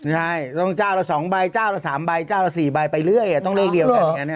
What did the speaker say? ใช่ต้องเจ้าละ๒ใบเจ้าละ๓ใบเจ้าละ๔ใบไปเรื่อยต้องเลขเดียวกันอย่างนั้น